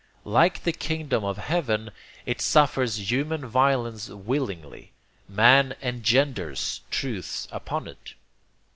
Like the kingdom of heaven, it suffers human violence willingly. Man ENGENDERS truths upon it.